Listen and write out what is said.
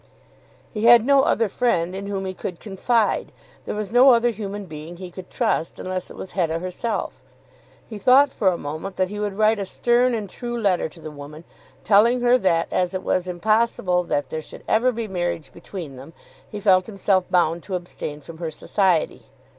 He had no other friend in whom he could confide. There was no other human being he could trust, unless it was Hetta herself. He thought for a moment that he would write a stern and true letter to the woman, telling her that as it was impossible that there should ever be marriage between them, he felt himself bound to abstain from her society.